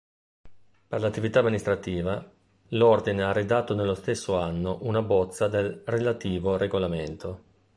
Per l'attività amministrativa, l'Ordine ha redatto nello stesso anno una bozza del relativo regolamento.